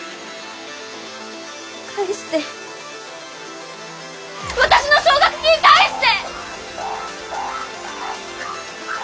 返して私の奨学金返して！